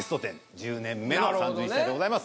１０年目の３１歳でございます。